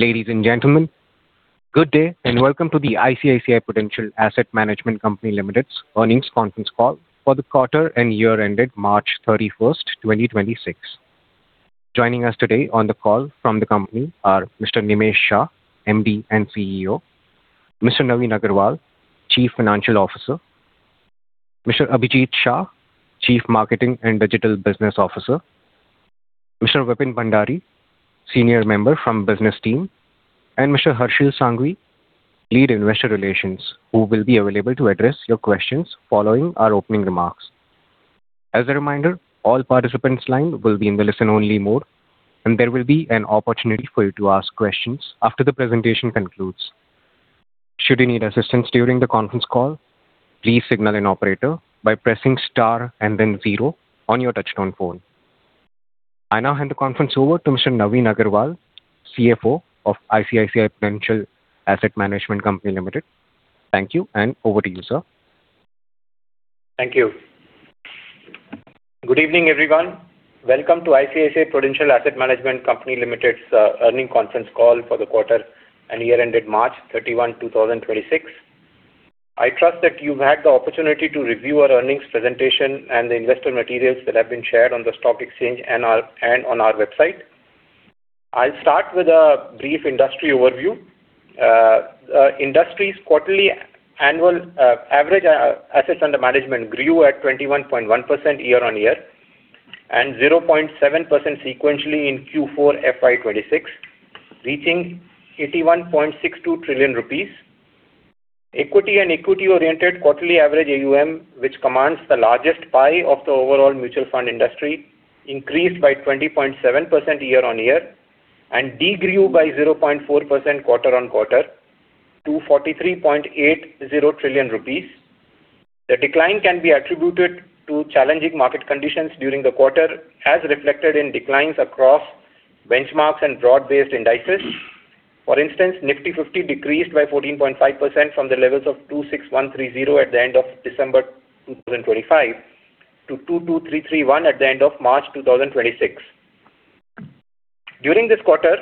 Ladies and gentlemen, good day and welcome to the ICICI Prudential Asset Management Company Limited's earnings conference call for the quarter and year ended March 31st, 2026. Joining us today on the call from the company are Mr. Nimesh Shah, MD and CEO, Mr. Naveen Agarwal, Chief Financial Officer, Mr. Abhijit Shah, Chief Marketing & Digital Business Officer, Mr. Vipin Bhandari, Senior Member from Business Team, and Mr. Harshil Sanghavi, Lead Investor Relations, who will be available to address your questions following our opening remarks. As a reminder, all participants' line will be in the listen-only mode, and there will be an opportunity for you to ask questions after the presentation concludes. Should you need assistance during the conference call, please signal an operator by pressing star and then zero on your touch-tone phone. I now hand the conference over to Mr. Naveen Kumar Agarwal, CFO of ICICI Prudential Asset Management Company Limited. Thank you. Over to you, sir. Thank you. Good evening, everyone. Welcome to ICICI Prudential Asset Management Company Limited's earnings conference call for the quarter and year ended March 31, 2026. I trust that you've had the opportunity to review our earnings presentation and the investor materials that have been shared on the stock exchange and on our website. I'll start with a brief industry overview. Industry's quarterly annual average assets under management grew at 21.1% year-over-year and 0.7% sequentially in Q4 FY 2026, reaching 81.62 trillion rupees. Equity and equity-oriented quarterly average AUM, which commands the largest pie of the overall mutual fund industry, increased by 20.7% year-over-year and de-grew by 0.4% quarter-on-quarter to 43.80 trillion rupees. The decline can be attributed to challenging market conditions during the quarter, as reflected in declines across benchmarks and broad-based indices. For instance, Nifty 50 decreased by 14.5% from the levels of 26,130 at the end of December 2025 to 22,331 at the end of March 2026. During this quarter,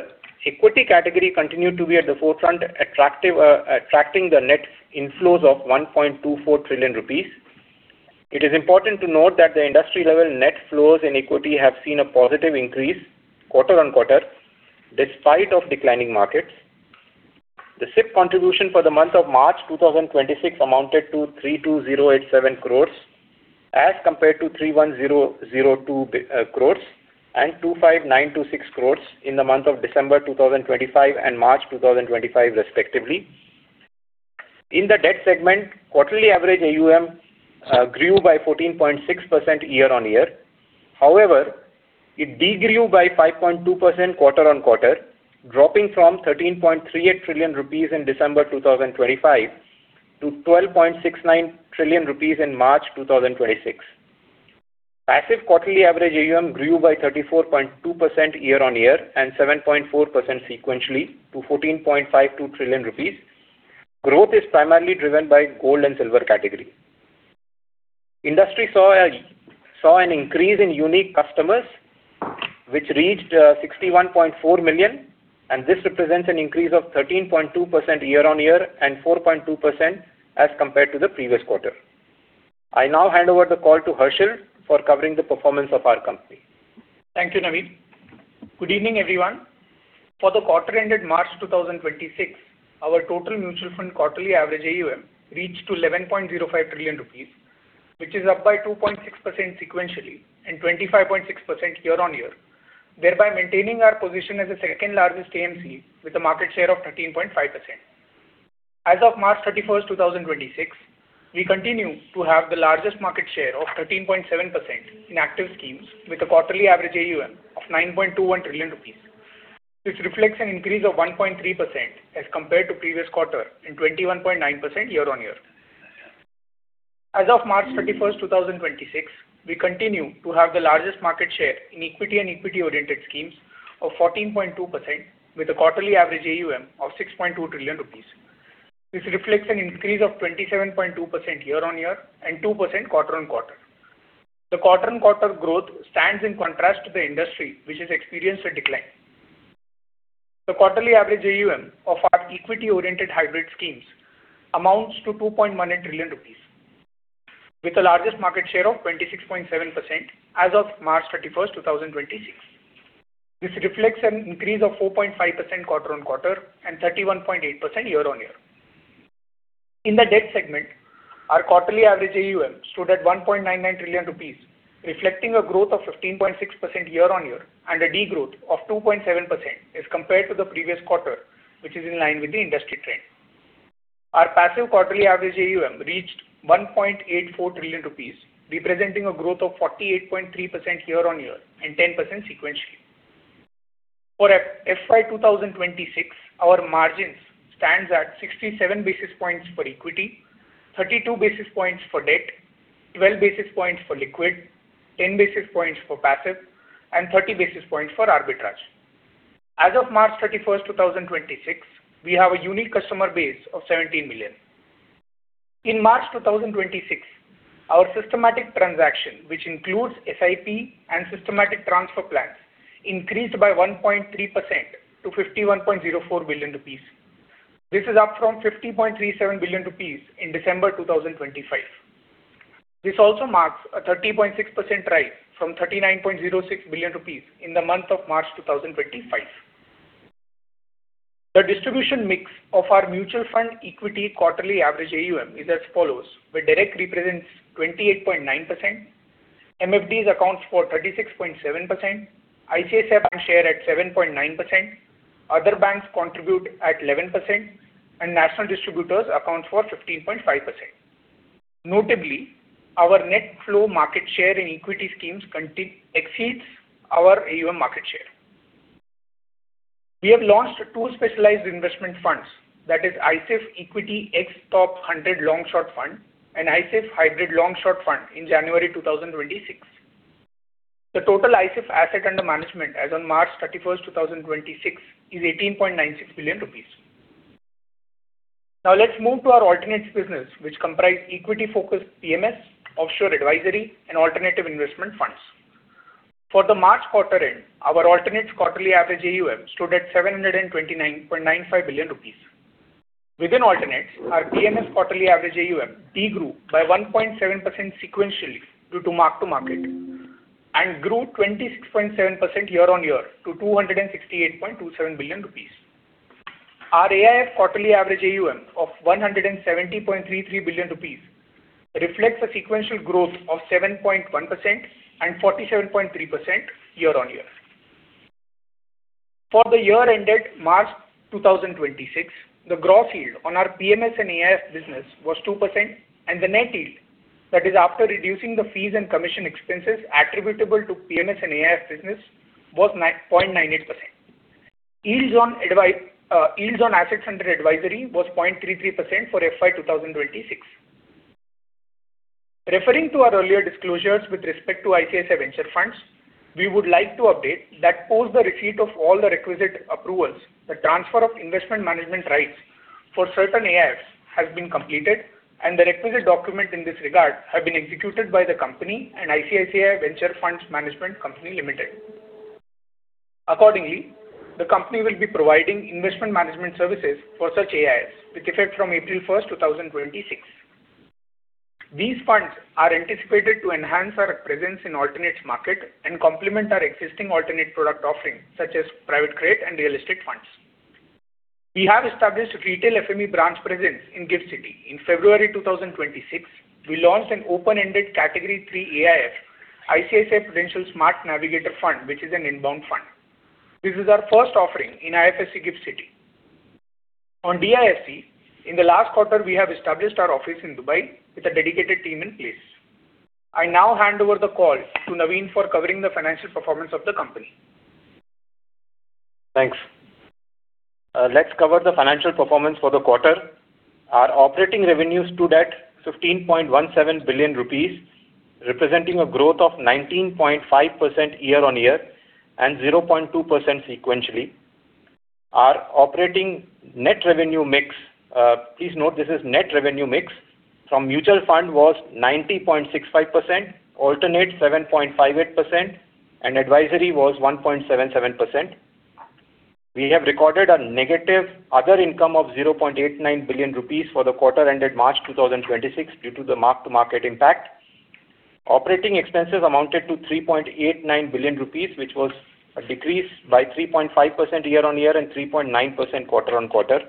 equity category continued to be at the forefront, attracting the net inflows of 1.24 trillion rupees. It is important to note that the industry-level net flows in equity have seen a positive increase quarter-on-quarter despite of declining markets. The SIP contribution for the month of March 2026 amounted to 32,087 crores as compared to 31,002 crores and 25,926 crores in the month of December 2025 and March 2025, respectively. In the debt segment, quarterly average AUM grew by 14.6% year-on-year. However, it de-grew by 5.2% quarter-on-quarter, dropping from 13.38 trillion rupees in December 2025 to 12.69 trillion rupees in March 2026. Passive quarterly average AUM grew by 34.2% year-on-year and 7.4% sequentially to 14.52 trillion rupees. Growth is primarily driven by gold and silver category. Industry saw an increase in unique customers, which reached 61.4 million, and this represents an increase of 13.2% year-on-year and 4.2% as compared to the previous quarter. I now hand over the call to Harshil for covering the performance of our company. Thank you, Naveen. Good evening, everyone. For the quarter ended March 2026, our total mutual fund quarterly average AUM reached to 11.05 trillion rupees, which is up by 2.6% sequentially and 25.6% year-on-year, thereby maintaining our position as the second-largest AMC with a market share of 13.5%. As of March 31st, 2026, we continue to have the largest market share of 13.7% in active schemes with a quarterly average AUM of 9.21 trillion rupees, which reflects an increase of 1.3% as compared to previous quarter and 21.9% year-on-year. As of March 31st, 2026, we continue to have the largest market share in equity and equity-oriented schemes of 14.2% with a quarterly average AUM of 6.2 trillion rupees. This reflects an increase of 27.2% year-on-year and 2% quarter-on-quarter. The quarter-on-quarter growth stands in contrast to the industry, which has experienced a decline. The quarterly average AUM of our equity-oriented hybrid schemes amounts to 2.18 trillion rupees with the largest market share of 26.7% as of March 31st, 2026. This reflects an increase of 4.5% quarter-on-quarter and 31.8% year-on-year. In the debt segment, our quarterly average AUM stood at 1.99 trillion rupees, reflecting a growth of 15.6% year-on-year and a degrowth of 2.7% as compared to the previous quarter, which is in line with the industry trend. Our passive quarterly average AUM reached 1.84 trillion rupees, representing a growth of 48.3% year-on-year and 10% sequentially. For FY 2026, our margins stands at 67 basis points for equity, 32 basis points for debt, 12 basis points for liquid, 10 basis points for passive, and 30 basis points for arbitrage. As of March 31st, 2026, we have a unique customer base of 70 million. In March 2026, our systematic transaction, which includes SIP and systematic transfer plans, increased by 1.3% to 51.04 billion rupees. This is up from 50.37 billion rupees in December 2025. This also marks a 30.6% rise from 39.06 billion rupees in the month of March 2025. The distribution mix of our mutual fund equity quarterly average AUM is as follows, where direct represents 28.9%, MFDs accounts for 36.7%, ICICI Bank share at 7.9%, other banks contribute at 11%, and national distributors account for 15.5%. Notably, our net flow market share in equity schemes exceeds our AUM market share. We have launched two specialized investment funds, that is iSIF Equity Ex-Top 100 Long-Short Fund and iSIF Hybrid Long-Short Fund in January 2026. The total SIF Assets Under Management as on March 31st, 2026 is 18.96 billion rupees. Now let's move to our Alternates business, which comprise equity-focused PMS, offshore advisory, and Alternative Investment Funds. For the March quarter-end, our Alternates quarterly average AUM stood at 729.95 billion rupees. Within Alternates, our PMS quarterly average AUM de-grew by 1.7% sequentially due to mark-to-market, and grew 26.7% year-on-year to 268.27 billion rupees. Our AIF quarterly average AUM of 170.33 billion rupees reflects a sequential growth of 7.1% and 47.3% year-on-year. For the year ended March 2026, the gross yield on our PMS and AIF business was 2%, and the net yield, that is after reducing the fees and commission expenses attributable to PMS and AIF business, was 0.98%. Yields on assets under advisory was 0.33% for FY 2026. Referring to our earlier disclosures with respect to ICICI Venture funds, we would like to update that post the receipt of all the requisite approvals, the transfer of investment management rights for certain AIFs has been completed and the requisite documents in this regard have been executed by the company and ICICI Venture Funds Management Company Limited. Accordingly, the company will be providing investment management services for such AIFs with effect from April 1st, 2026. These funds are anticipated to enhance our presence in alternates market and complement our existing alternate product offerings such as private credit and real estate funds. We have established retail FME branch presence in GIFT City. In February 2026, we launched an open-ended Category III AIF, ICICI Prudential Smart Navigator Fund, which is an inbound fund. This is our first offering in IFSC GIFT City. On DIFC, in the last quarter, we have established our office in Dubai with a dedicated team in place. I now hand over the call to Naveen for covering the financial performance of the company. Thanks. Let's cover the financial performance for the quarter. Our Operating Revenues stood at 15.17 billion rupees, representing a growth of 19.5% year-on-year and 0.2% sequentially. Our Operating Net Revenue Mix, please note this is net revenue mix, from mutual fund was 90.65%, Alternate 7.58%, and Advisory was 1.77%. We have recorded a negative Other Income of 0.89 billion rupees for the quarter ended March 2026 due to the mark-to-market impact. Operating Expenses amounted to 3.89 billion rupees which was a decrease by 3.5% year-on-year and 3.9% quarter-on-quarter.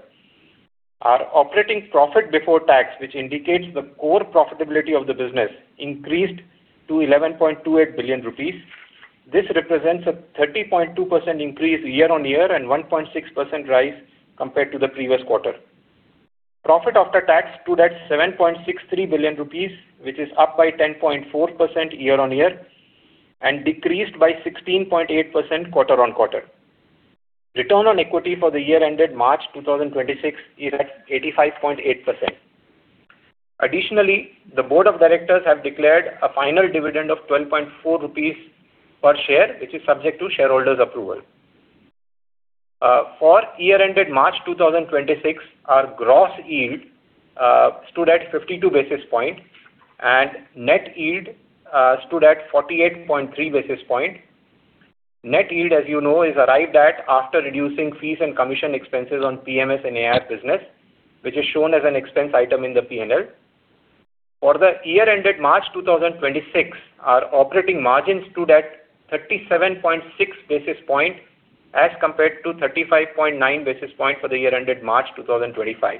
Our Operating Profit Before Tax, which indicates the core profitability of the business, increased to 11.28 billion rupees. This represents a 30.2% increase year-on-year and 1.6% rise compared to the previous quarter. Profit After Tax stood at 7.63 billion rupees, which is up by 10.4% year-on-year and decreased by 16.8% quarter-on-quarter. Return on Equity for the year ended March 2026 is at 85.8%. Additionally, the Board of Directors have declared a final dividend of 12.4 rupees per share, which is subject to Shareholders' approval. For the year ended March 2026, our gross yield stood at 52 basis points and net yield stood at 48.3 basis points. Net yield, as you know, is arrived at after reducing fees and commission expenses on PMS and AIF business, which is shown as an expense item in the P&L. For the year ended March 2026, our operating margins stood at 37.6 basis points as compared to 35.9 basis points for the year ended March 2025.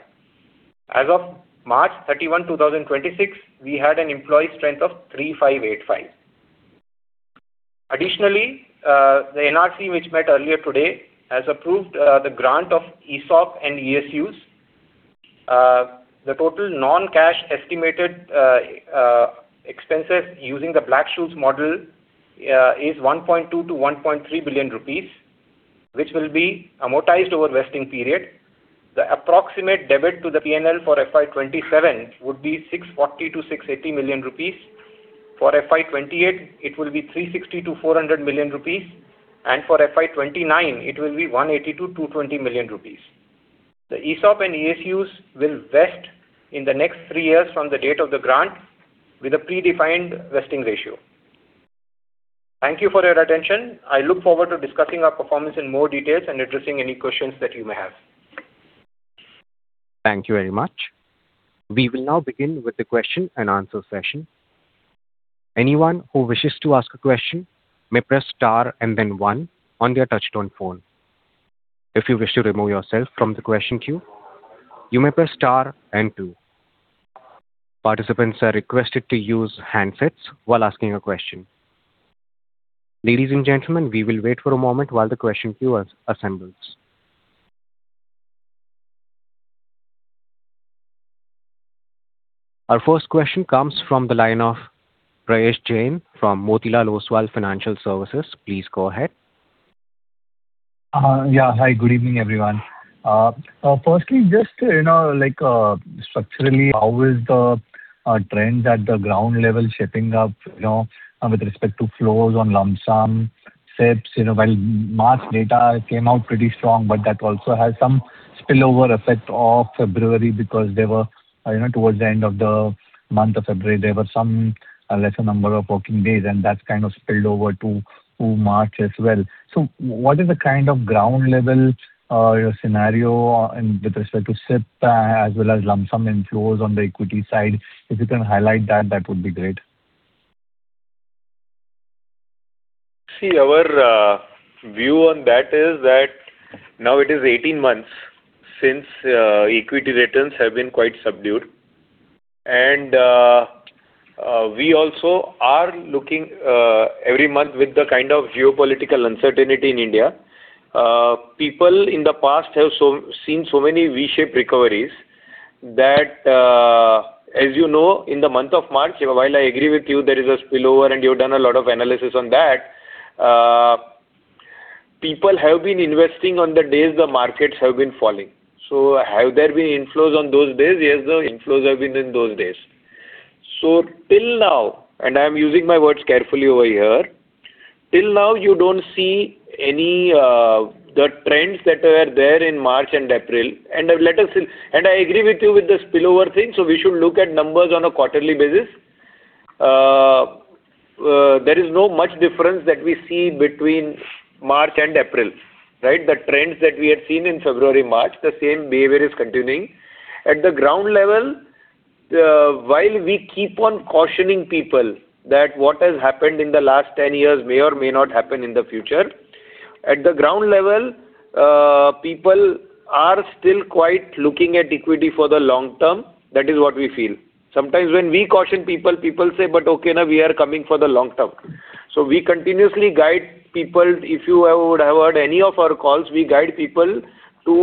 As of March 31st, 2026, we had an employee strength of 3,585. Additionally, the NRC, which met earlier today, has approved the grant of ESOP and ESUs. The total non-cash estimated expenses using the Black-Scholes model is 1.2 billion-1.3 billion rupees, which will be amortized over the vesting period. The approximate debit to the P&L for FY 2027 would be 640 million-680 million rupees. For FY 2028, it will be 360 million-400 million rupees, and for FY 2029, it will be 180 million-220 million rupees. The ESOP and ESUs will vest in the next three years from the date of the grant with a predefined vesting ratio. Thank you for your attention. I look forward to discussing our performance in more details and addressing any questions that you may have. Thank you very much. We will now begin with the question-and-answer session. Anyone who wishes to ask a question may press star and then one on their touchtone phone. If you wish to remove yourself from the question queue, you may press star and two. Participants are requested to use handsets while asking a question. Ladies and gentlemen, we will wait for a moment while the question queue assembles. Our first question comes from the line of Prayesh Jain from Motilal Oswal Financial Services. Please go ahead. Yeah. Hi, good evening, everyone. Firstly, just structurally, how is the trends at the ground level shaping up with respect to flows on lump sum SIPs? While March data came out pretty strong, but that also has some spillover effect of February because towards the end of the month of February, there were some lesser number of working days, and that's kind of spilled over to March as well. What is the kind of ground-level scenario with respect to SIP as well as lump sum inflows on the equity side? If you can highlight that would be great. See, our view on that is that now it is 18 months since equity returns have been quite subdued. We also are looking every month with the kind of geopolitical uncertainty in India. People in the past have seen so many V-shaped recoveries that, as you know, in the month of March, while I agree with you there is a spillover and you've done a lot of analysis on that, people have been investing on the days the markets have been falling. Have there been inflows on those days? Yes, the inflows have been in those days. Till now, and I'm using my words carefully over here, till now you don't see any trends that were there in March and April. I agree with you with the spillover thing, so we should look at numbers on a quarterly basis. There is not much difference that we see between March and April, right? The trends that we had seen in February, March, the same behavior is continuing. At the ground level, while we keep on cautioning people that what has happened in the last 10 years may or may not happen in the future, at the ground level, people are still quite looking at equity for the long term. That is what we feel. Sometimes when we caution people say, "Okay, now we are coming for the long term." We continuously guide people. If you would have heard any of our calls, we guide people to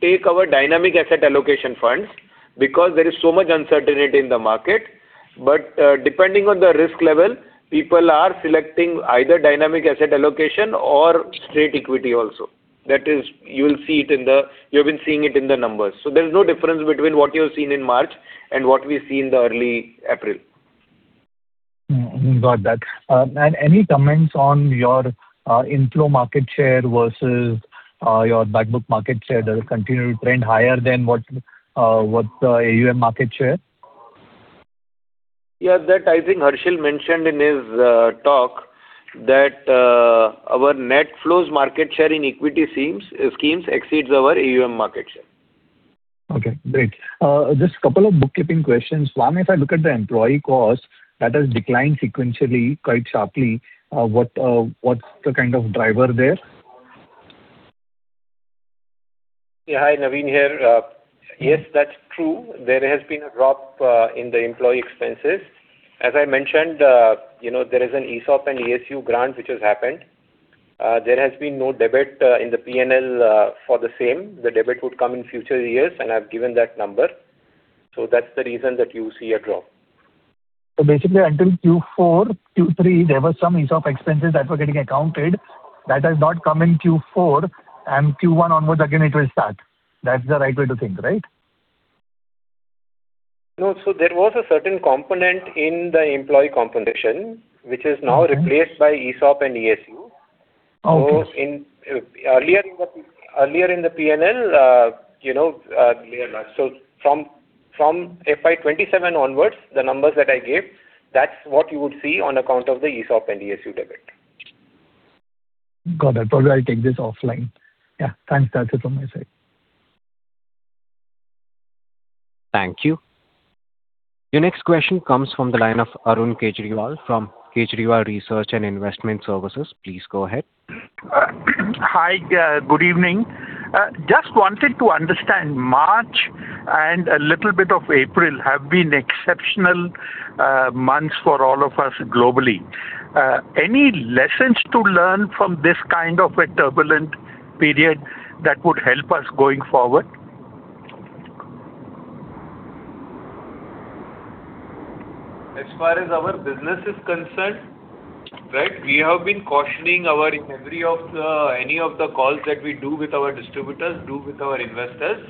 take our dynamic asset allocation funds because there is so much uncertainty in the market. Depending on the risk level, people are selecting either dynamic asset allocation or straight equity also. You have been seeing it in the numbers. There's no difference between what you have seen in March and what we see in the early April. Got that. Any comments on your inflow market share versus your back book market share? Does it continue to trend higher than what the AUM market share? Yeah, I think Harshil mentioned in his talk that our net flows market share in equity schemes exceeds our AUM market share. Okay, great. Just a couple of bookkeeping questions. One, if I look at the employee cost that has declined sequentially quite sharply, what's the kind of driver there? Yeah. Hi, Naveen here. Yes, that's true. There has been a drop in the employee expenses. As I mentioned, there is an ESOP and ESU grant which has happened. There has been no debit in the P&L for the same. The debit would come in future years, and I've given that number. That's the reason that you see a drop. Basically until Q3, there were some ESOP expenses that were getting accounted that has not come in Q4, and Q1 onwards again it will start. That's the right way to think, right? No. There was a certain component in the employee compensation which is now replaced by ESOP and ESU. Okay. Earlier in the P&L, from FY 2027 onwards, the numbers that I gave, that's what you would see on account of the ESOP and ESU debit. Got it. Probably I'll take this offline. Yeah, thanks. That's it from my side. Thank you. Your next question comes from the line of Arun Kejriwal from Kejriwal Research and Investment Services. Please go ahead. Hi, good evening. I just wanted to understand, March and a little bit of April have been exceptional months for all of us globally. Any lessons to learn from this kind of a turbulent period that would help us going forward? As far as our business is concerned, we have been cautioning in any of the calls that we do with our distributors, do with our investors.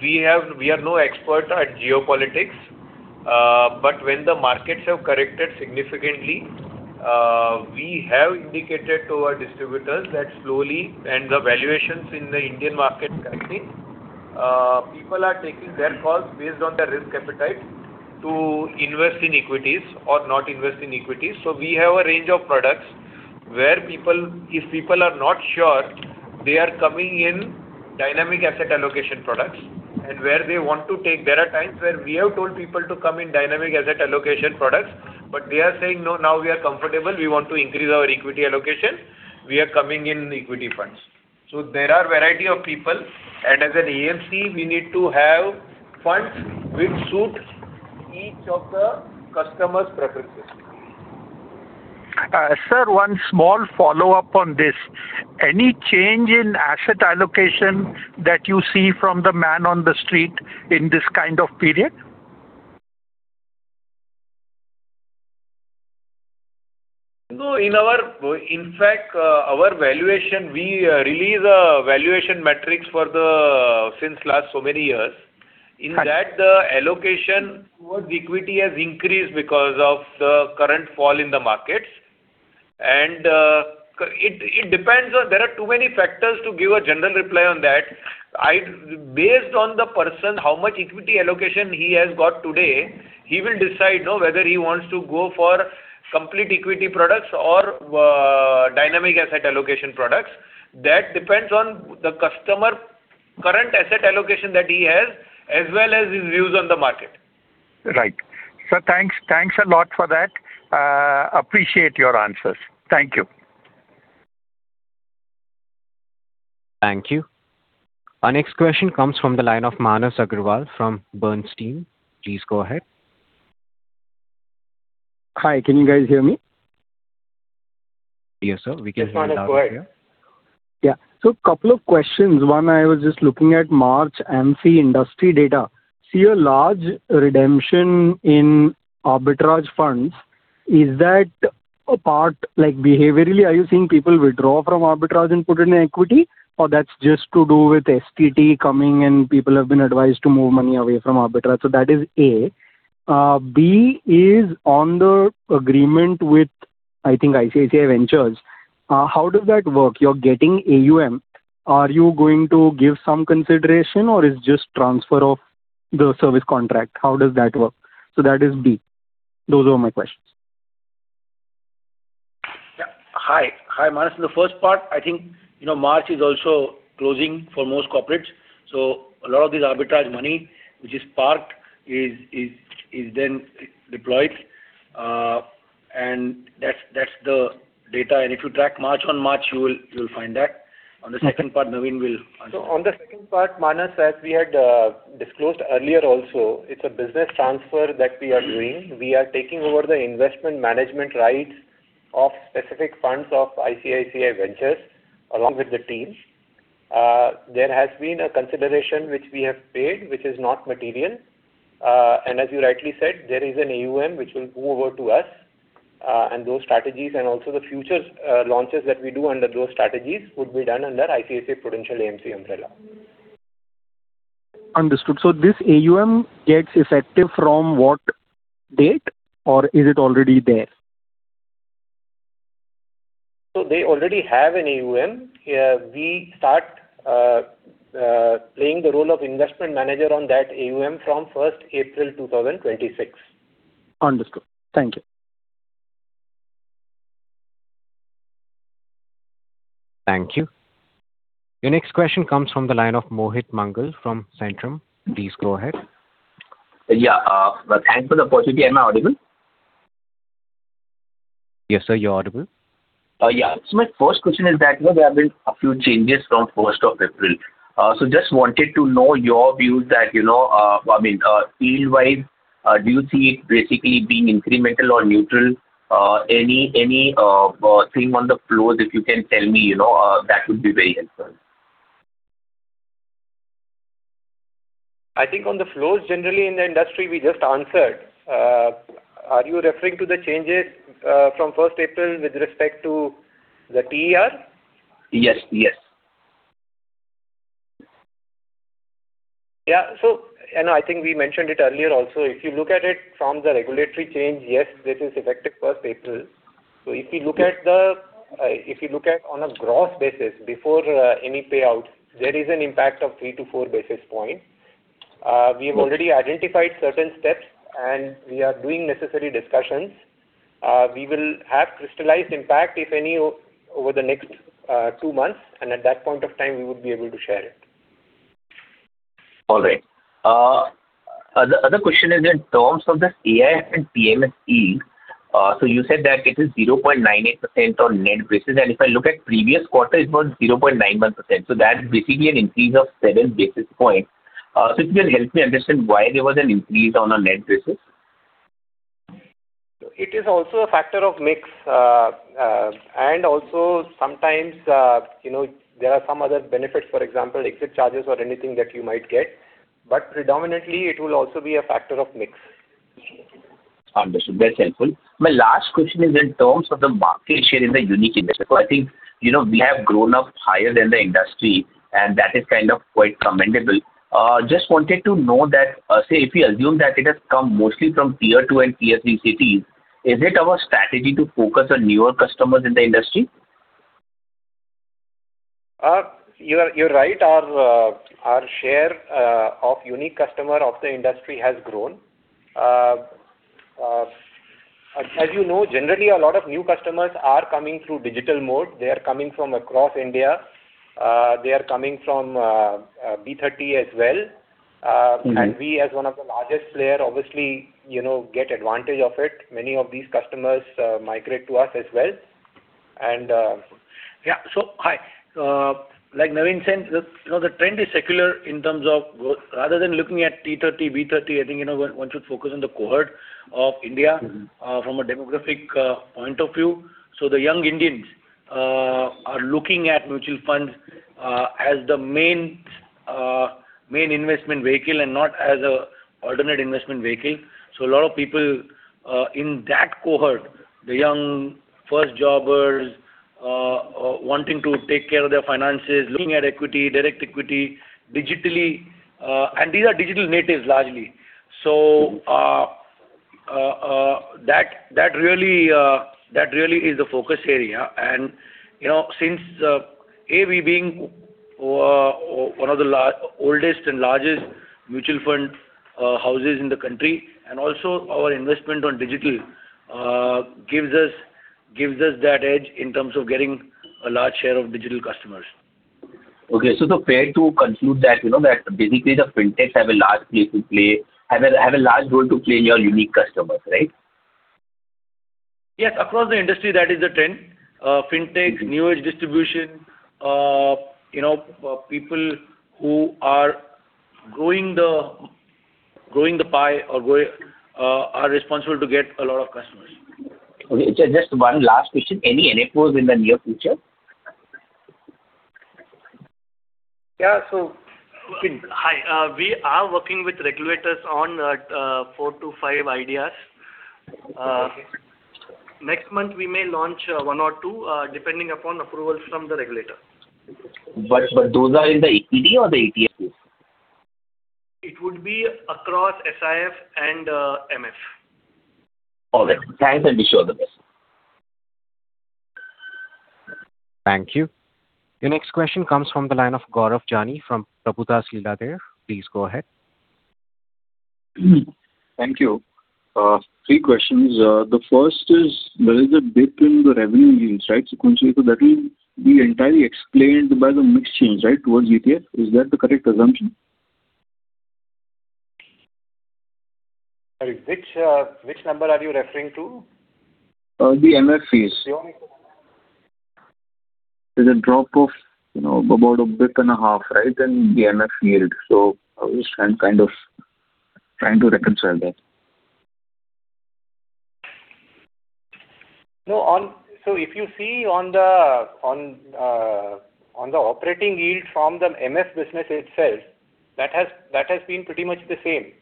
We are no expert at geopolitics. When the markets have corrected significantly, we have indicated to our distributors that the valuations in the Indian market corrected, people are taking their calls based on their risk appetite to invest in equities or not invest in equities. We have a range of products where if people are not sure, they are coming in dynamic asset allocation products. There are times where we have told people to come in dynamic asset allocation products, but they are saying, "No, now we are comfortable. We want to increase our equity allocation. We are coming in equity funds." There are variety of people and as an AMC, we need to have funds which suit each of the customer's preferences. Sir, one small follow-up on this. Any change in asset allocation that you see from the man on the street in this kind of period? No. In fact, our valuation, we release valuation metrics since last so many years. In that, the allocation towards equity has increased because of the current fall in the markets. It depends on, there are too many factors to give a general reply on that. Based on the person, how much equity allocation he has got today, he will decide now whether he wants to go for complete equity products or dynamic asset allocation products. That depends on the customer current asset allocation that he has as well as his views on the market. Right. Sir, thanks. Thanks a lot for that. I appreciate your answers. Thank you. Thank you. Our next question comes from the line of Manas Agrawal from Bernstein. Please go ahead. Hi. Can you guys hear me? Yes, sir. We can hear you loud and clear. Yes, Manas. Go ahead. Yeah. Couple of questions. One, I was just looking at March AMC industry data. I see a large redemption in arbitrage funds. Is that a part like behaviorally, are you seeing people withdraw from arbitrage and put in equity or that's just to do with STT coming and people have been advised to move money away from arbitrage? That is A. B is on the agreement with, I think ICICI Venture. How does that work? You're getting AUM. Are you going to give some consideration or it's just transfer of the service contract? How does that work? That is B. Those were my questions. Yeah. Hi, Manas. The first part, I think March is also closing for most corporates. A lot of this arbitrage money, which is parked, is then deployed. That's the data. If you track March-on-March, you'll find that. On the second part, Naveen will answer. On the second part, Manas, as we had disclosed earlier also, it's a business transfer that we are doing. We are taking over the investment management rights of specific funds of ICICI Venture along with the teams. There has been a consideration which we have paid, which is not material. As you rightly said, there is an AUM which will move over to us, and those strategies and also the future launches that we do under those strategies would be done under ICICI Prudential AMC umbrella. Understood. This AUM gets effective from what date or is it already there? They already have an AUM. We start playing the role of Investment Manager on that AUM from 1st April 2026. Understood. Thank you. Thank you. Your next question comes from the line of Mohit Mangal from Centrum. Please go ahead. Yeah. Thanks for the opportunity. Am I audible? Yes, sir. You're audible. Yeah. My first question is that there have been a few changes from 1st of April. I just wanted to know your views that, field-wide, do you see it basically being incremental or neutral? Any theme on the flows if you can tell me, that would be very helpful. I think on the flows generally in the industry, we just answered. Are you referring to the changes from first April with respect to the TER? Yes. Yeah. I know, I think we mentioned it earlier also. If you look at it from the regulatory change, yes, this is effective first April. If you look at on a gross basis before any payout, there is an impact of three to four basis points. We have already identified certain steps, and we are doing necessary discussions. We will have crystallized impact, if any, over the next two months, and at that point of time, we would be able to share it. All right. The other question is in terms of the AIF and PMS. You said that it is 0.98% on net basis, and if I look at the previous quarter, it was 0.91%. That is basically an increase of seven basis points. If you can help me understand why there was an increase on a net basis? It is also a factor of mix, and also sometimes, there are some other benefits, for example, exit charges or anything that you might get. Predominantly, it will also be a factor of mix. Understood. That's helpful. My last question is in terms of the market share in the unique investors. I think we have grown up higher than the industry, and that is kind of quite commendable. I just wanted to know that, say, if we assume that it has come mostly from Tier two and Tier three cities, is it our strategy to focus on newer customers in the industry? You're right. Our share of unique customer of the industry has grown. As you know, generally, a lot of new customers are coming through digital mode. They are coming from across India. They are coming from B30 as well. Mm-hmm. We, as one of the largest player, obviously, get advantage of it. Many of these customers migrate to us as well. Yeah. Hi. Like Naveen said, the trend is secular in terms of growth. Rather than looking at T30, B30, I think one should focus on the cohort of India. Mm-hmm From a demographic point of view. The young Indians are looking at mutual funds as the main investment vehicle and not as an alternate investment vehicle. A lot of people in that cohort, the young first jobbers wanting to take care of their finances, looking at equity, direct equity digitally and these are digital natives largely. That really is the focus area. Since A, we being one of the oldest and largest mutual fund houses in the country, and also our investment on digital gives us that edge in terms of getting a large share of digital customers. Okay. Fair to conclude that basically the fintechs have a large role to play in your unique customers, right? Yes, across the industry, that is the trend. Fintech, new-age distribution, people who are growing the pie are responsible to get a lot of customers. Okay. Just one last question. Any NFOs in the near future? Yeah. Hi. We are working with regulators on 4-5 ideas. Okay. Next month, we may launch one or two, depending upon approval from the regulator. Those are in the equity or the ETF space? It would be across SIF and MF. All right. Thanks. Wish you all the best. Thank you. Your next question comes from the line of Gaurav Jani from Prabhudas Lilladher. Please go ahead. Thank you. Three questions. The first is there is a dip in the revenue yields, right, sequentially? That will be entirely explained by the mix change, right, towards ETF? Is that the correct assumption? Sorry. Which number are you referring to? The MF fees. The only. There's a drop of about a basis point and a half, right, in the MF yield. I was kind of trying to reconcile that. If you see on the operating yield from the MF business itself, that has been pretty much the same.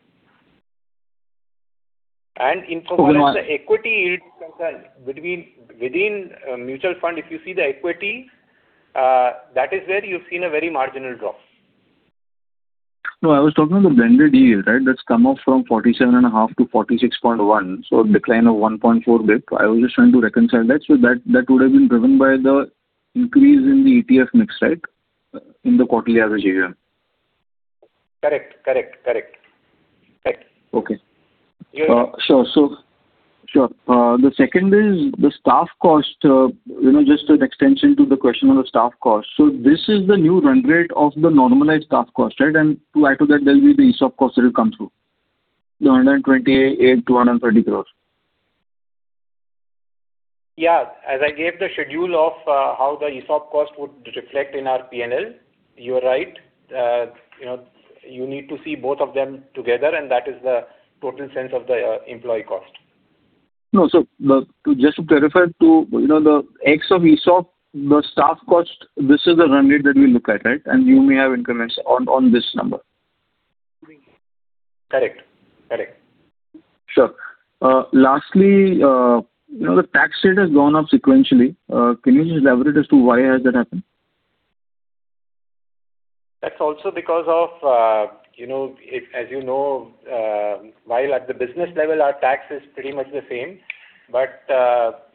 For one. As the equity yield is concerned, within mutual fund, if you see the equity, that is where you've seen a very marginal drop. No, I was talking about the blended yield, right? That's come off from 47.5 to 46.1. A decline of 1.4 basis points. I was just trying to reconcile that, so that would have been driven by the increase in the ETF mix, right, in the quarterly average AUM? Correct Okay. Yeah. Sure. The second is the staff cost, just an extension to the question on the staff cost. This is the new run rate of the normalized staff cost, right? To add to that there'll be the ESOP cost that will come through, the 128 crores-130 crores. Yeah, as I gave the schedule of how the ESOP cost would reflect in our P&L, you're right. You need to see both of them together, and that is the total sense of the employee cost. No. Just to clarify, to the ex of ESOP, the staff cost, this is the run rate that we look at, right? You may have increments on this number. Correct Sure. Lastly, the tax rate has gone up sequentially. Can you just elaborate as to why has that happened? That's also because of, as you know, while at the business level, our tax is pretty much the same.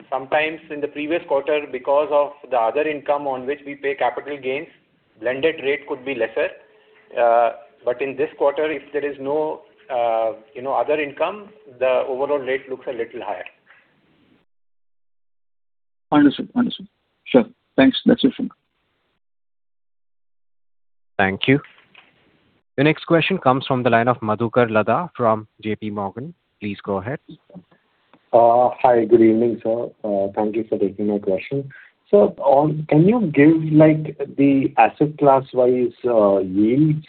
Sometimes in the previous quarter, because of the other income on which we pay capital gains, blended rate could be lesser. In this quarter, if there is no other income, the overall rate looks a little higher. Understood. Sure. Thanks. That's it from me. Thank you. The next question comes from the line of Madhukar Ladha from JPMorgan. Please go ahead. Hi. Good evening, Sir. Thank you for taking my question. Can you give the asset class-wise yields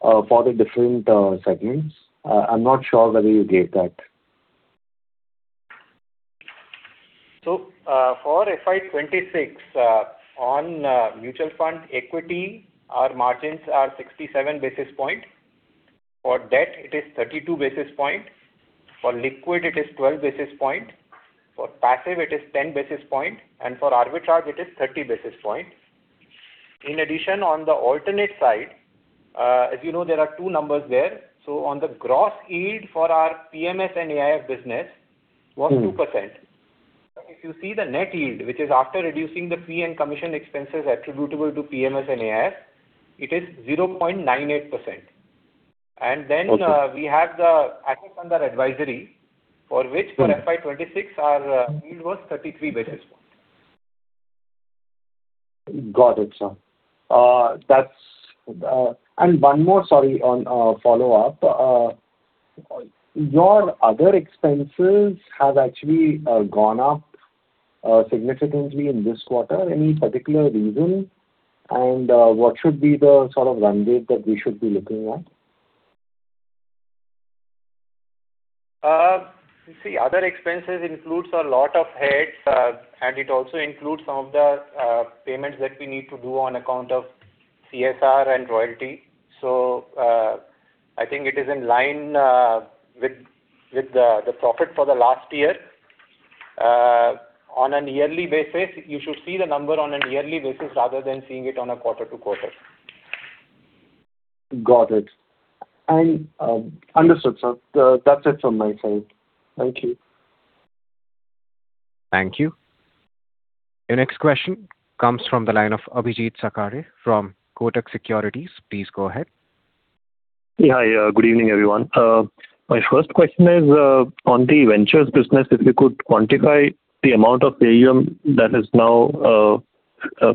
for the different segments? I'm not sure whether you gave that. For FY 2026, on mutual fund equity, our margins are 67 basis point. For debt, it is 32 basis point. For liquid, it is 12 basis point. For passive, it is 10 basis point, and for arbitrage, it is 30 basis point. In addition, on the alternate side, as you know, there are two numbers there. On the gross yield for our PMS and AIF business was 2%. If you see the net yield, which is after reducing the fee and commission expenses attributable to PMS and AIF, it is 0.98%. We have the asset under advisory for which for FY 2026, our yield was 33 basis point. Got it, sir. One more, sorry, follow-up. Your other expenses have actually gone up significantly in this quarter. Any particular reason? What should be the sort of run rate that we should be looking at? You see, other expenses includes a lot of heads, and it also includes some of the payments that we need to do on account of CSR and royalty. I think it is in line with the profit for the last year. On a yearly basis, you should see the number on a yearly basis rather than seeing it on a quarter-to-quarter. Got it. Understood, Sir. That's it from my side. Thank you. Thank you. Your next question comes from the line of Abhijeet Sakhare from Kotak Securities. Please go ahead. Hi. Good evening, everyone. My first question is on the Ventures business, if you could quantify the amount of AUM that is now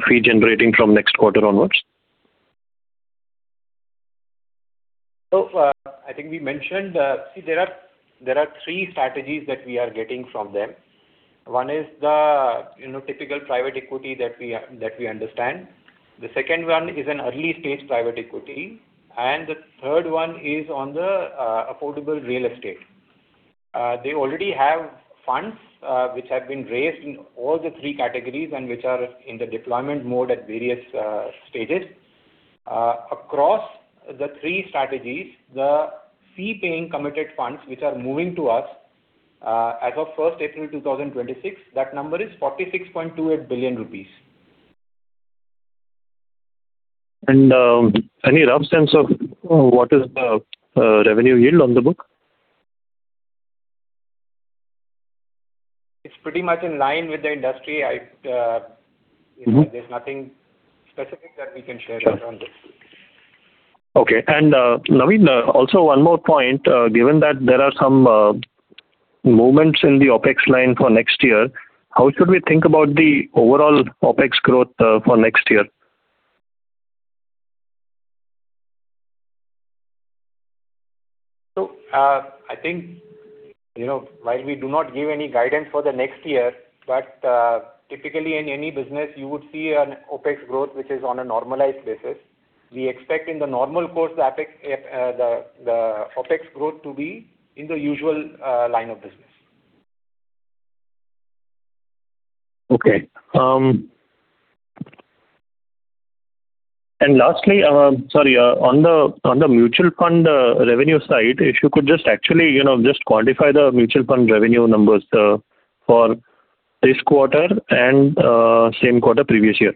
fee-generating from next quarter onwards? There are three strategies that we are getting from them. One is the typical private equity that we understand. The second one is an early-stage private equity, and the third one is on the affordable real estate. They already have funds, which have been raised in all the three categories and which are in the deployment mode at various stages. Across the three strategies, the fee-paying committed funds, which are moving to us, as of 1st April 2026, that number is 46.28 billion rupees. Any rough sense of what is the revenue yield on the book? It's pretty much in line with the industry. There's nothing specific that we can share there on this. Okay. Naveen, also one more point, given that there are some movements in the OpEx line for next year, how should we think about the overall OpEx growth for next year? I think, while we do not give any guidance for the next year, but typically in any business, you would see an OpEx growth, which is on a normalized basis. We expect in the normal course, the OpEx growth to be in the usual line of business. Okay. Lastly, sorry, on the mutual fund revenue side, if you could just actually just quantify the mutual fund revenue numbers for this quarter and same quarter previous year.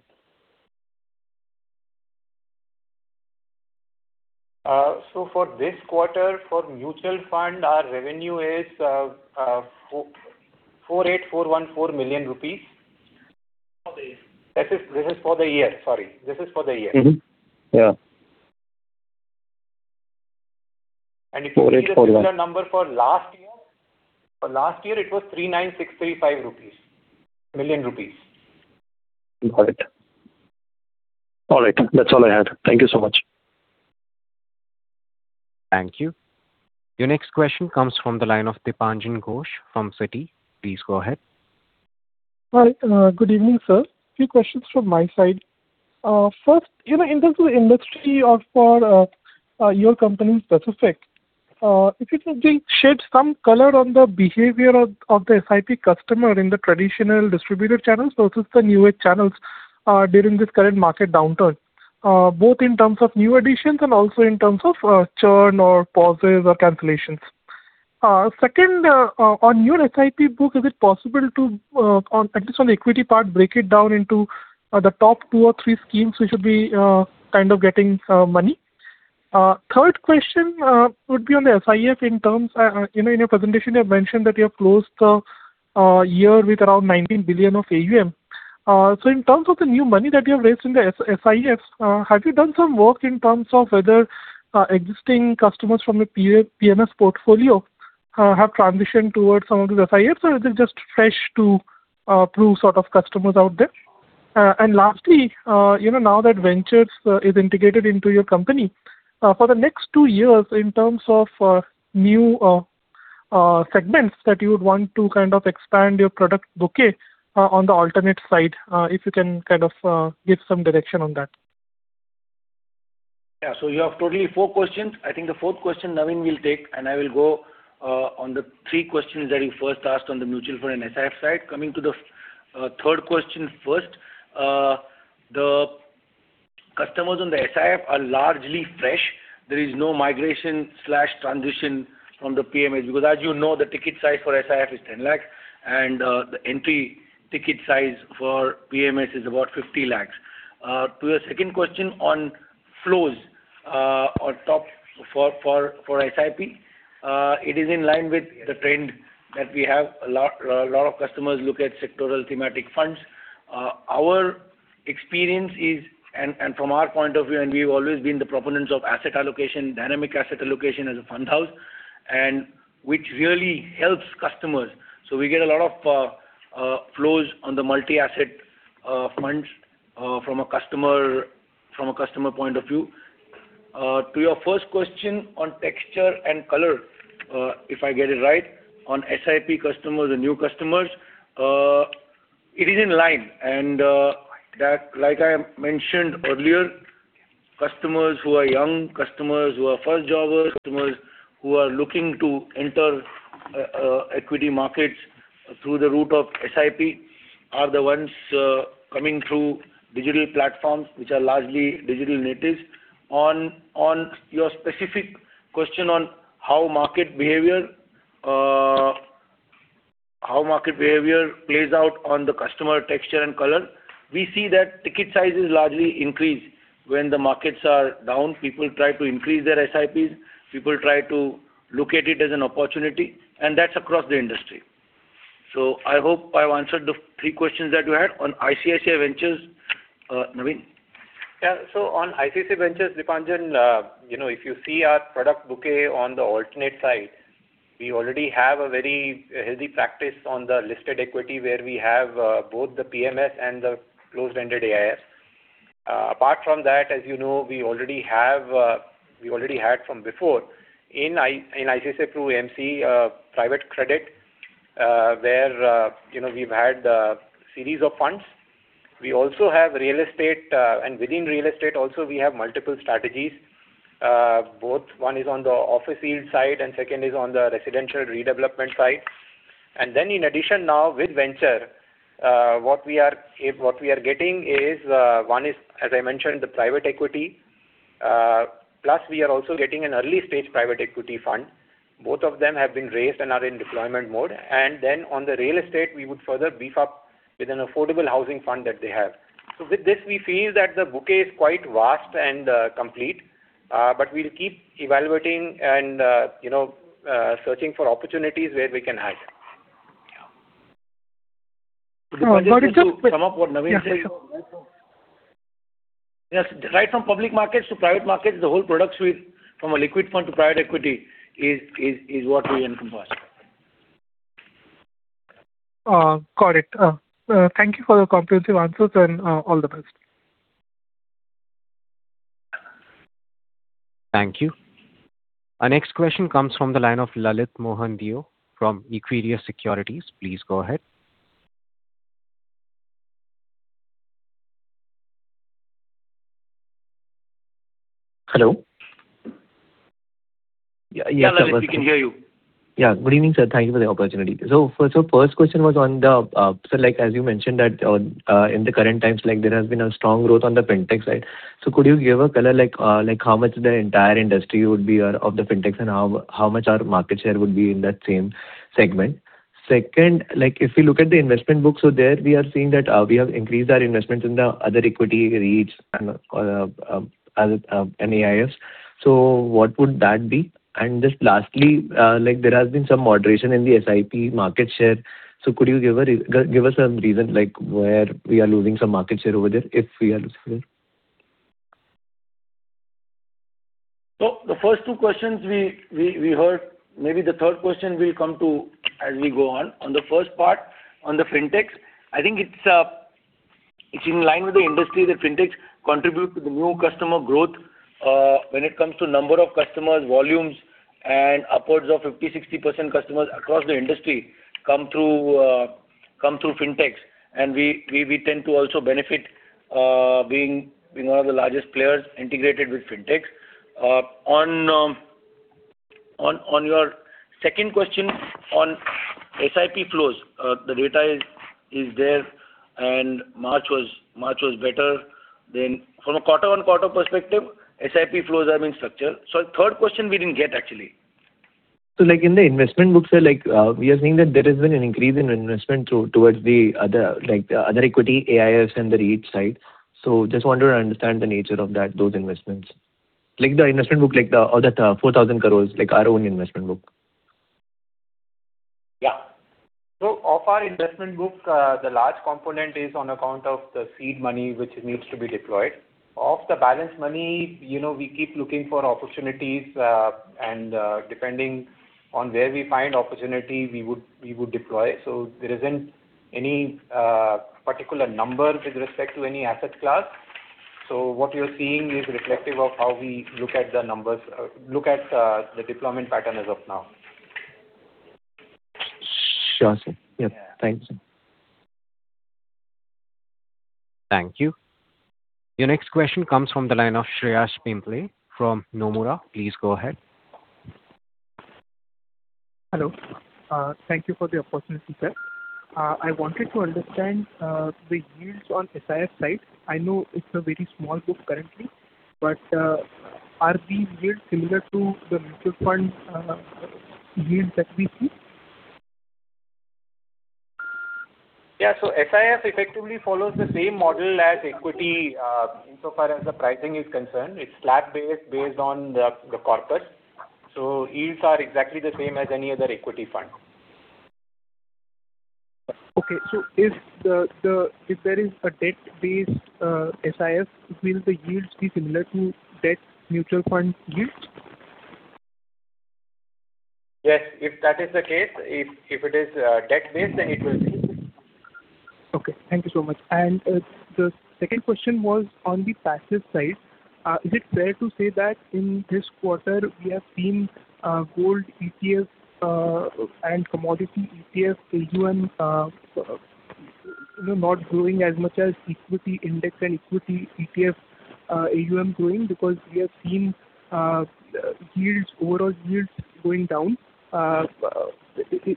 For this quarter, for mutual fund, our revenue is 484.14 million rupees. For the year. This is for the year. Mm-hmm. Yeah. If you see the similar number for last year, it was 396.35 million rupees. Got it. All right. That's all I had. Thank you so much. Thank you. Your next question comes from the line of Dipanjan Ghosh from Citi. Please go ahead. Hi. Good evening, Sir. Few questions from my side. First, in terms of industry or for your company-specific, if you could just shed some color on the behavior of the SIP customer in the traditional distributor channels versus the newer channels during this current market downturn, both in terms of new additions and also in terms of churn or pauses or cancellations. Second, on your SIP book, is it possible to, at least on the equity part, break it down into the top two or three schemes which would be kind of getting money? Third question would be on the SIF. In your presentation, you have mentioned that you have closed the year with around 19 billion of AUM. In terms of the new money that you have raised in the SIFs, have you done some work in terms of whether existing customers from a PMS portfolio have transitioned towards some of the SIFs or is it just fresh through sort of customers out there? Lastly, now that Ventures is integrated into your company, for the next two years, in terms of new segments that you would want to kind of expand your product bouquet on the alternate side, if you can kind of give some direction on that. Yeah. You have totally four questions. I think the fourth question Naveen will take, and I will go on the three questions that you first asked on the mutual fund and SIF side. Coming to the third question first. The customers on the SIF are largely fresh. There is no migration, transition from the PMS because as you know, the ticket size for SIF is 10 lakhs and the entry ticket size for PMS is about 50 lakhs. To your second question on flows or top for SIP. It is in line with the trend that we have. A lot of customers look at sectoral thematic funds. Our experience is, and from our point of view, and we've always been the proponents of asset allocation, dynamic asset allocation as a fund house, and which really helps customers. We get a lot of flows on the multi-asset funds from a customer point of view. To your first question on texture and color, if I get it right, on SIP customers and new customers, it is in line and like I mentioned earlier, customers who are young, customers who are first jobbers, customers who are looking to enter equity markets through the route of SIP are the ones coming through digital platforms, which are largely digital natives. On your specific question on how market behavior plays out on the customer texture and color, we see that ticket size is largely increased. When the markets are down, people try to increase their SIPs. People try to look at it as an opportunity, and that's across the industry. I hope I've answered the three questions that you had. On ICICI Venture, Naveen? Yeah. On ICICI Venture, Dipanjan, if you see our product bouquet on the alternate side, we already have a very healthy practice on the listed equity where we have both the PMS and the closed-ended AIFs. Apart from that, as you know, we already had from before in ICICI Prudential AMC private credit, where we've had a series of funds. We also have real estate and within real estate also we have multiple strategies. Both, one is on the office yield side and second is on the residential redevelopment side. In addition now with venture, what we are getting is, one is, as I mentioned, the private equity, plus we are also getting an early-stage private equity fund. Both of them have been raised and are in deployment mode. On the real estate, we would further beef up with an affordable housing fund that they have. With this, we feel that the bouquet is quite vast and complete. We'll keep evaluating and searching for opportunities where we can hire. To sum up what Naveen said, right from public markets to private markets, the whole product suite from a liquid fund to private equity is what we encompass. Got it. Thank you for the comprehensive answers and all the best. Thank you. Our next question comes from the line of Lalit Mohan Deo from Equirus Securities. Please go ahead. Hello? Yeah, Lalit, we can hear you. Yeah. Good evening, sir. Thank you for the opportunity. So first question was on the, sir, as you mentioned that in the current times, there has been a strong growth on the Fintech side. So could you give a color, like how much the entire industry would be of the Fintechs and how much our market share would be in that same segment? Second, if we look at the investment book, so there we are seeing that we have increased our investments in the other equity REITs and AIFs. So what would that be? And just lastly, there has been some moderation in the SIP market share. So could you give us some reason, where we are losing some market share over there if we are losing it? The first two questions we heard. Maybe the third question we'll come to as we go on. On the first part, on the fintechs, I think it's in line with the industry that fintechs contribute to the new customer growth, when it comes to number of customers, volumes, and upwards of 50%-60% customers across the industry come through fintechs. We tend to also benefit, being one of the largest players integrated with fintechs. On your second question on SIP flows, the data is there and March was better. From a quarter-on-quarter perspective, SIP flows are being structured. The third question we didn't get actually. In the investment books, Sir, we are seeing that there has been an increase in investment towards the other equity AIFs and the REIT side. I just wanted to understand the nature of those investments. The investment book, of that 4,000 crores, our own investment book. Yeah. Of our investment book, the large component is on account of the seed money, which needs to be deployed. Of the balance money, we keep looking for opportunities, and, depending on where we find opportunity, we would deploy. There isn't any particular number with respect to any asset class. What you're seeing is reflective of how we look at the deployment pattern as of now. Sure, Sir. Yeah. Thanks. Thank you. Your next question comes from the line of Shreyas Pimple from Nomura. Please go ahead. Hello. Thank you for the opportunity, Sir. I wanted to understand the yields on SIF side. I know it's a very small book currently, but are these yields similar to the mutual fund yields that we see? Yeah. SIF effectively follows the same model as equity, insofar as the pricing is concerned. It's slab-based on the corpus. Yields are exactly the same as any other equity fund. Okay. If there is a debt-based SIF, will the yields be similar to debt mutual fund yields? Yes. If that is the case, if it is debt-based, then it will be. Okay. Thank you so much. The second question was on the passive side. Is it fair to say that in this quarter we have seen gold ETFs and commodity ETFs AUM not growing as much as equity index and equity ETF AUM growing because we have seen overall yields going down?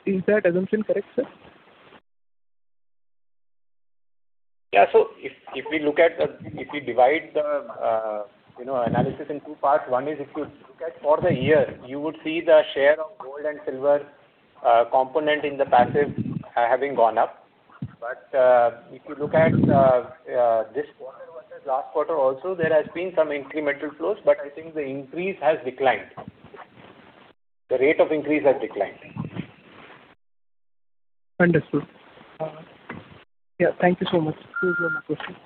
Is that assumption correct, sir? Yeah. If we divide the analysis in two parts, one is if you look at for the year, you would see the share of gold and silver component in the passive having gone up. If you look at this quarter versus last quarter also, there has been some incremental flows, but I think the increase has declined. The rate of increase has declined. Understood. Yeah. Thank you so much. Those were my questions.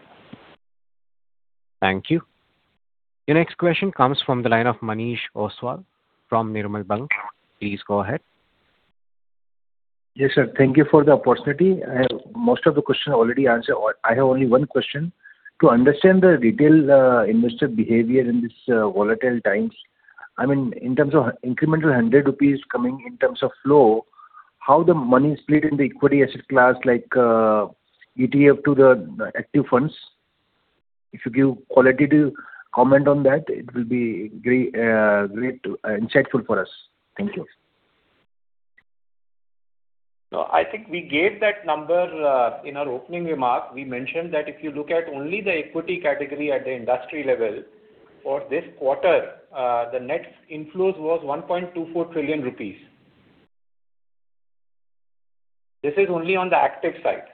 Thank you. Your next question comes from the line of Manish Ostwal from Nirmal Bang. Please go ahead. Yes, sir. Thank you for the opportunity. Most of the questions were already answered. I have only one question. To understand the retail investor behavior in these volatile times, I mean, in terms of incremental 100 rupees coming in terms of flow, how the money is split in the equity asset class like ETF to the active funds? If you give qualitative comment on that, it will be great and insightful for us. Thank you. No, I think we gave that number in our opening remark. We mentioned that if you look at only the equity category at the industry level, for this quarter, the net inflows was 1.24 trillion rupees. This is only on the active side.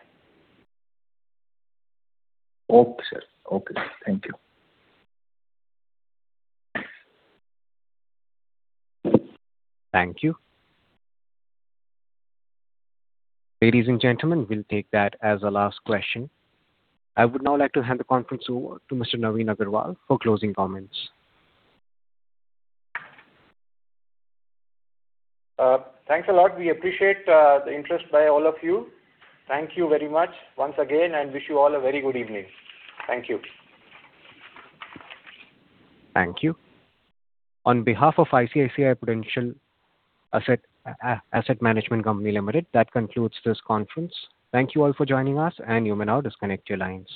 Okay, sir. Thank you. Thank you. Ladies and gentlemen, we'll take that as our last question. I would now like to hand the conference over to Mr. Naveen Agarwal for closing comments. Thanks a lot. We appreciate the interest by all of you. Thank you very much once again, and wish you all a very good evening. Thank you. Thank you. On behalf of ICICI Prudential Asset Management Company Limited, that concludes this conference. Thank you all for joining us, and you may now disconnect your lines.